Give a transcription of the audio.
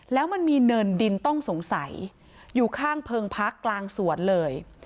แล้วมันมีเนินดินต้องสงสัยอยู่ข้างเพิงพักกลางสวนเลย